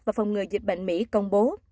và phòng ngừa dịch bệnh mỹ công bố